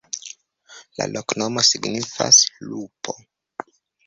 La loknomo signifas: lupo.